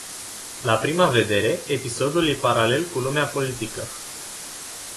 La prima vedere, episodul e paralel cu lumea politică.